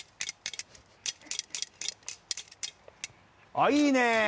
あいいね！